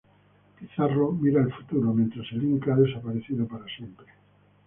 Pizarro mira el futuro, mientras el Inca ha desaparecido para siempre.